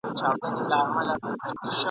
ږغ د پاولیو شرنګ د بنګړیو ..